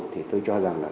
thì tôi cho rằng là